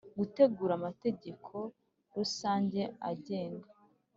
Gutegura amategeko rusange agenga